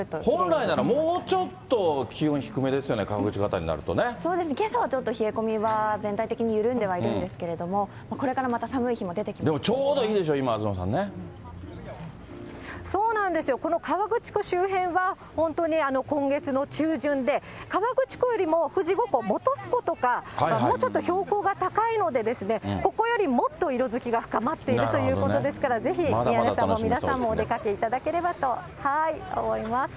本来ならもうちょっと気温、低めですよね、そうですね、けさは冷え込みは全体的に緩んではいるんですけど、これからまた寒い日も出てきでもちょうどいいでしょ、今、そうなんですよ、この河口湖周辺は、本当に今月の中旬で、河口湖よりも富士五湖、本栖湖とか、もうちょっと標高が高いので、ここよりもっと色づきが深まっているということですから、ぜひ宮根さんも、皆さんも、お出かけいただければと思います。